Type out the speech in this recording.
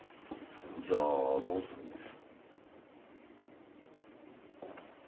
じゃあどうするんです？